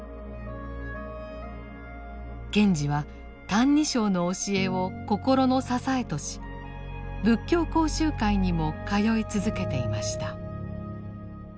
賢治は「歎異抄」の教えを心の支えとし仏教講習会にも通い続けていました。